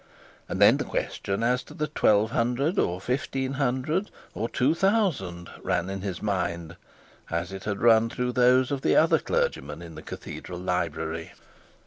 And then the question as to the twelve hundred, or fifteen hundred, or two thousand, ran in his mind, as it had run through those of the other clergymen in the cathedral library.